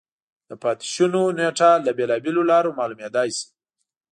د پاتې شونو نېټه له بېلابېلو لارو معلومېدای شي.